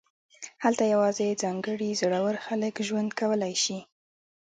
هلته یوازې ځانګړي زړور خلک ژوند کولی شي